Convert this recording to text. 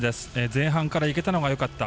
前半からいけたのがよかった。